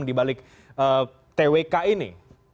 di balik twk ini